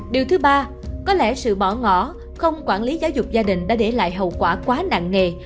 điều thứ ba có lẽ sự bỏ ngỏ không quản lý giáo dục gia đình đã để lại hậu quả quá nặng nề